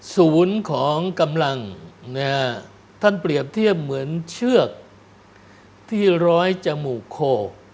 ศูนย์ของกำลังนะฮะท่านเปรียบเทียบเหมือนเชือกที่ร้อยจมูกโค